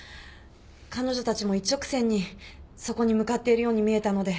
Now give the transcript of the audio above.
彼女たちも一直線にそこに向かっているように見えたので。